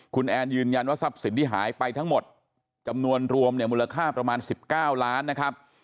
คุณแอนยืนยันว่าทรัพย์สินที่หายไปทั้งหมดจำนวนรวมเนี่ยมูลค่าประมาณ๑๙ล้านนะครับ